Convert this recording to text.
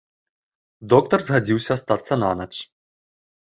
Доктар згадзіўся астацца нанач.